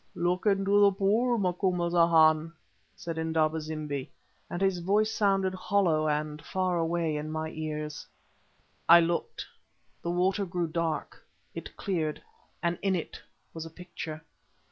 "Look into the pool, Macumazahn," said Indaba zimbi, and his voice sounded hollow and far away in my ears. I looked. The water grew dark; it cleared, and in it was a picture.